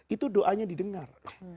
itu doanya didengar